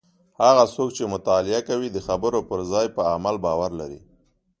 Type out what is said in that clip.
هغه څوک چې مطالعه کوي د خبرو پر ځای په عمل باور لري.